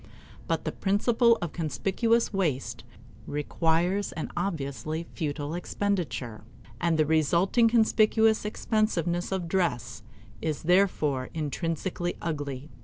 But the principle of conspicuous waste requires an obviously futile expenditure; and the resulting conspicuous expensiveness of dress is therefore intrinsically ugly.